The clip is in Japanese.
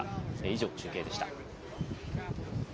以上、中継でした。